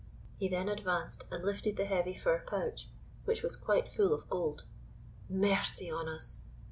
He then advanced and lifted the heavy fur pouch, which was quite full of gold. "Mercy on us!"